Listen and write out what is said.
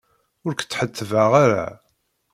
Ur k-tt-ḥettbeɣ ara.